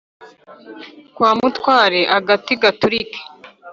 Kwa mutware agati gaturike!